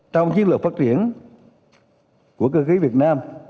trong chiến lược phát triển của cơ khí việt nam